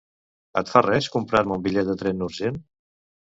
Et fa res comprar-me un bitllet de tren urgent?